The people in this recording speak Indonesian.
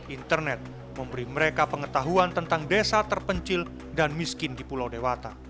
internet memberi mereka pengetahuan tentang desa terpencil dan miskin di pulau dewata